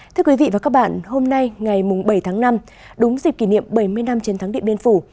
thưa quý vị và các bạn hôm nay ngày bảy tháng năm đúng dịp kỷ niệm bảy mươi năm chiến thắng điện biên phủ